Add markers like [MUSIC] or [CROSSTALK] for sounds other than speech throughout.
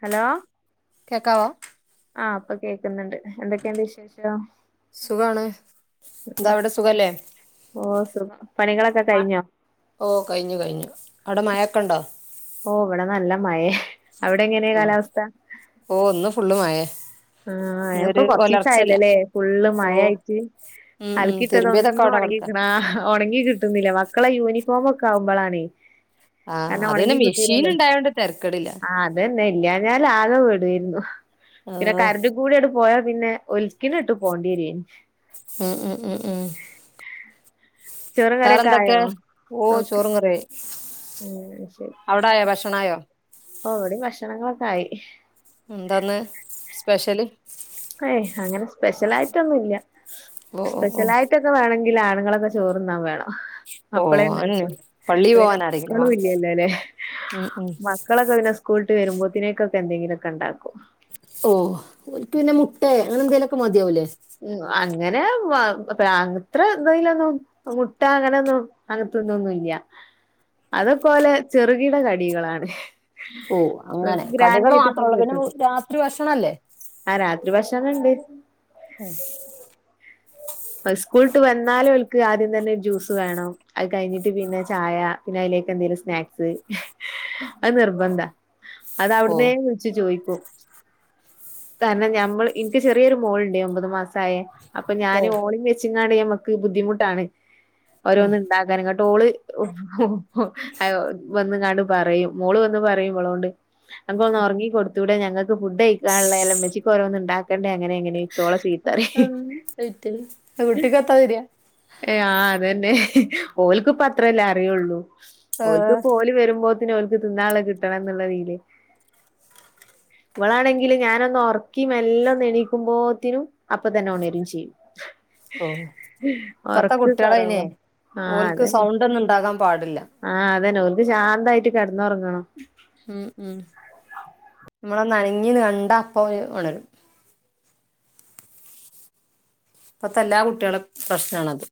Hello കേക്കാവോ ആഹ് ഇപ്പൊ കേക്കുന്നുണ്ട് എന്തൊക്കെണ്ട് വിശേഷം? സുഖാണ് എന്താവിടെ സുഖല്ലേ ഓഹ് സുഖം പണികളൊക്കെ കഴിഞ്ഞോ? ഓഹ് കഴിഞ്ഞു കഴിഞ്ഞു അവിടെ മഴക്കെണ്ടോ? ഓഹ് വിടെ നല്ല മഴേ അവിടെങ്ങനെയാ ഉം കാലാവസ്ഥ ഓ ഇന്ന് ഫുള്ള് മഴേ ആഹ് ഇപ്പൊ ഇന്നൊരു കൊറച്ചിസം ആയ ഒലർച്ചല്ല ല്ലോല്ലേ ഫുള്ള് മഴ ഓ ആയിട്ട് ഉം ഉം തിരുമ്പിയതൊക്കെ അൽക്കിട്ടതൊന്നും അവിടെ കെടക്കാ ഒണങ്ങിക്ക്ണാ ഒണങ്ങി കിട്ടുന്നില്ല മക്കളെ യൂണിഫോമൊക്കെ ആവുമ്പളാണേയ് ആഹ് അതന്നെ മിഷീനുണ്ടായോണ്ട് തെരക്കടില്ല അതെന്നെ ഇല്ലാഞ്ഞാൽ ആകെ പെടരുന്നു പിന്നെ ആഹ് കരണ്ടുകൂടി അട് പോയാ പിന്നെ ഒൽക്കിനിട്ട് പോണ്ടി വരേനു ഉം ഉം ഉം ഉം ചോറും കറിയൊക്കെ ആയോ വേറെന്തക്കെ ഓഹ് ഓക്കെ ചോറുങ്കറിയായി ഉം അഹ് ശരി അവിടായോ ഭഷണായോ ഓഹ് ഇവിടെം ഭഷണെങ്ങളൊക്കായി എന്താന്ന് സ്പെഷ്യല്? ഏയ് അങ്ങനെ സ്പെഷ്യലായിട്ടൊന്നുല്ല ഓ ഓ ഓ സ്പെഷലായിട്ട് [UNINTELLIGIBLE] വേണങ്കില് ആണുങ്ങളൊക്കെ ചോറ്ന്നാ വേണം. ഓ അപ്പളേ അന്നെ ഇണ്ടാക്കൂ പള്ളി പോവാൻ [UNINTELLIGIBLE] ആരെങ്കിലും മക്കളും വേണം ഇല്ലല്ലോല്ലെ, ഉം ഉം മക്കളൊക്കെ പിന്നെ സ്കൂ സ്കൂൾട്ട് വരുമ്പോത്തിനേക്കക്കെ എന്തെങ്കിലൊക്കെ ഇണ്ടാക്കും. ഓഹ്, ഓൽക്ക് പിന്നെ മുട്ടെ അങ്ങനെന്തേലൊക്കെ മതിയാവൂലേ? ഉം, അങ്ങനെ [UNINTELLIGIBLE] അത്ര ഇതിലൊന്നും മുട്ട അങ്ങനെന്നും, അങ്ങത്തൊന്നുന്നുല്ല. അതൊക്കൊലെ ചെറുകിട കടികളാണ്. ഓഹ് അങ്ങനെ ഇവർക്ക് ഗ്രാൻഡ് കടികള് ആയിട്ടന്നെ മാത്രള്ളൂ പിന്നെ രാത്രി ഭക്ഷണല്ലേ? ആഹ് രാത്രി ഭക്ഷണണ്ട് മ്മ്ഹ് സ്കൂളിട്ട് വന്നാലോൽക്ക് ആദിയം തന്നെ ജ്യൂസ് വേണം, അത് കയിഞ്ഞിട്ട് പിന്നെ ചായ പിന്നെ അയിലേക്ക് എന്തെലും സ്നാക്സ്, അത് നിർബന്ധ ഓ അതവടുന്നെ ച്ച് ചോയിക്കും. തന്നെ ഞമ്മള് ഇൻക്ക് ചെറിയൊരു മോളുണ്ടെ, ഒമ്പത് മാസായ അപ്പൊ ഓ ഓളീം വെച്ച്ങ്ങാണ്ട് ഞ്ഞമ്മക്ക് ബുദ്ധിമുട്ടാണ് ഉം. ഓരോന്ന് ഇണ്ടാ [UNINTELLIGIBLE] ഇങ്ങോട്ട് ഓള് ഓ ഹോ ഹോ വന്നങ്ങാണ്ട് പറയും മോള് വന്ന് പറയും ഇവളൊണ്ട് അനക്കൊന്ന് ഒറങ്ങി കൊടുത്തൂടെ ഞങ്ങക്ക് ഫുഡ്യ്ക്കാനുള്ളല്ലേ മ്മച്ചിക്കോരോന്ന് ണ്ടാക്കണ്ടേ അങ്ങനെ ഇങ്ങനെ ഓളേ ചീത്തറീ ഹി. [UNINTELLIGIBLE] വീട്ടിക്കപ്പാവെരാ? ഏഹ് ആഹ് അതന്നെ ഹേ ഓൽക്ക് പത്രല്ലെ അറിയുള്ളൂ ഏ, ഓൽകിപ്പേ ഓല് വരുമ്പോത്തിന് ഓൽക്ക് തിന്നാളള കിട്ടണ എന്നുള്ളതില് [INAUDIBLE] ഇവളാണെങ്കില് ഞാനൊന്ന് ഒറക്കി മെല്ലൊന്ന് എണീക്കുമ്പോത്തിനും അപ്പ തന്നെ ഉണരും ചെയ്യും. ഓ [INAUDIBLE] ഇപ്പത്തെ ഒറക്ക് കുട്ടികളതിനെ കുറവാ ആഹ് ഓൽക്ക് അതന്നെ. സൗണ്ട് ഒന്നും ഉണ്ടാകാൻ പാടില്ല ആഹ് അതന്നെ, ഓൻക്ക് ശാന്തായിട്ട് കേടന്ന ഒറങ്ങണം. ഉം ഉം നമ്മളൊന്നനങ്ങീന്ന് കണ്ട അപ്പോ ഉണരും. ഇപ്പത്തെ എല്ലാ കുട്ടീളെ പ്രശ്നാണത്.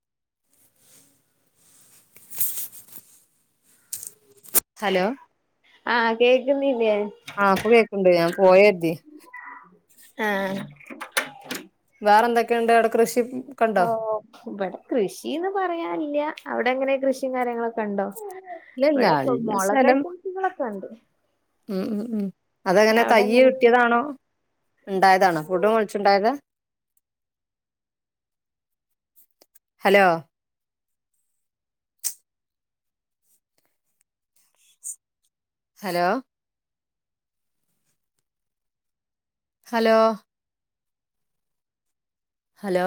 ഹലോ. ആഹ് കേക്കുന്നില്ലേ? ആഹ് ഇപ്പ കേക്കുണ്ട് ഞാൻ പോയര്തി. ആഹ്. വേറെ എന്തൊക്കെയുണ്ട് അവടെ കൃഷി ഒക്കെ ഉണ്ടോ ഓഹ് ഇപടെ കൃഷീന്ന് പറയാനില്ല, അവടെ എങ്ങനെ കൃഷിം കാര്യങ്ങളൊക്കെ ഉണ്ടോ? ഇല്ല ഇല്ല ഇവടെ പ്പം ഇല്ല മൊളക് സ്ഥലം ഐറ്റംസുകളൊക്കെ ഉണ്ട്. ഉം ഉം ഉം അതെങ്ങനെ അവിടെ തയ്യ് എങ്ങനെ കിട്ടിയതാണോ? ണ്ടായതാണോ? തൊടു മൊൾച്ചുണ്ടായതാ? Hello hello hello hello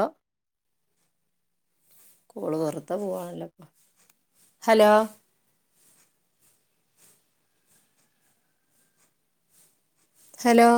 call വെറുതെ പോവാണല്ലോ ഹലോ. ഹലോ